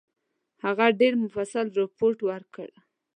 هغه ډېر مفصل رپوټ ورکړ.